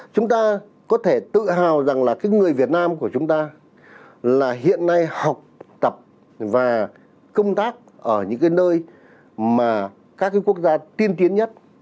chúng ta có thể tự hào rằng là cái người việt nam của chúng ta là hiện nay học tập và công tác ở những cái nơi mà các cái quốc gia tiên tiến nhất